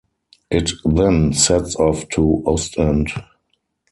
It then sets off to Ostend.